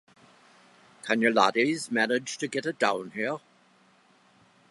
Can you laddies manage to get it down here?